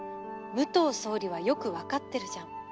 「武藤総理はよくわかってるじゃん！」